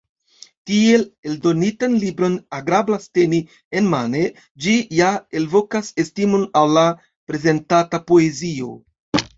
Tiel eldonitan libron agrablas teni enmane, ĝi ja elvokas estimon al la prezentata poezio.